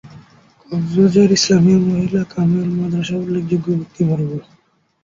কক্সবাজার ইসলামিয়া মহিলা কামিল মাদ্রাসা উল্লেখযোগ্য ব্যক্তিবর্গ